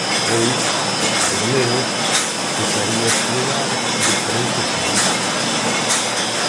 Ou, cando menos, tocaría explorar diferentes saídas.